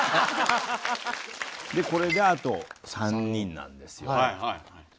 これであと３人なんですよ。